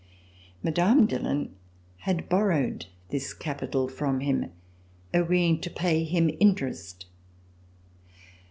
Mme. Dillon had borrowed this capital from him, agreeing to pay him interest.